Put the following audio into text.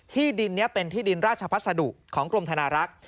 ที่ดินนี้เป็นที่ดินราชพัสดุของกรมธนารักษ์